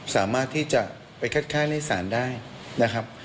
สามารถที่จะไปคัดค้านในศาลได้นะครับ